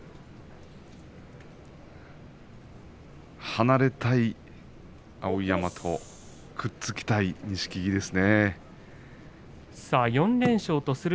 離れたい碧山とくっつきたい錦木です。